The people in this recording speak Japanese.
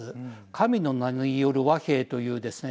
神の名による和平というですね